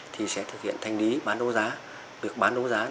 thì sẽ thực hiện thanh lý bán đấu giá